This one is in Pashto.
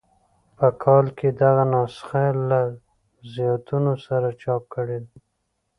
په کال کې دغه نسخه له زیاتونو سره چاپ کړې ده.